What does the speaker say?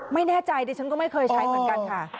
ไม่แน่ใจดิฉันก็ไม่เคยใช้เหมือนกันค่ะ